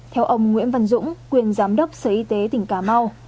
theo ông nguyễn văn dũng quyền giám đốc sở y tế tỉnh cà mau